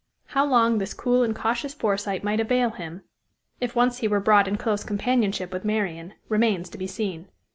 How long this cool and cautious foresight might avail him, if once he were brought in close companionship with Marian, remains to be seen.